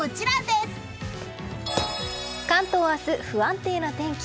関東明日、不安定な天気。